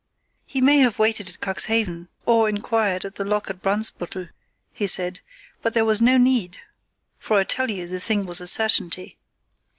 "He may have waited at Cuxhaven, or inquired at the lock at Brunsbüttel," he said. "But there was no need, for I tell you the thing was a certainty.